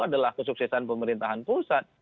adalah kesuksesan pemerintahan pusat